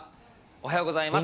おはようございます。